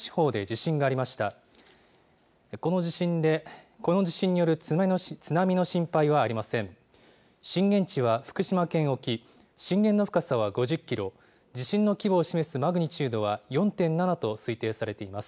震源地は福島県沖、震源の深さは５０キロ、地震の規模を示すマグニチュードは４．７と推定されています。